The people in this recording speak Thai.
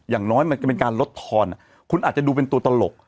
อย่างน้อยมันก็เป็นการลดทอนคุณอาจจะดูเป็นตัวตลก